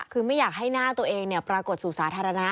คือไม่อยากให้หน้าตัวเองปรากฏสู่สาธารณะ